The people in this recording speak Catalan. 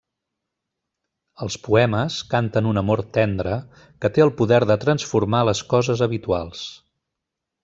Els poemes canten un amor tendre, que té el poder de transformar les coses habituals.